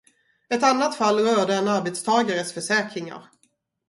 Ett annat fall rörde en arbetstagares försäkringar.